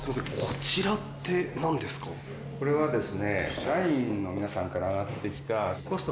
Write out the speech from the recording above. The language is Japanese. これはですね。